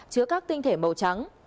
chứa các tinh thể màu trắng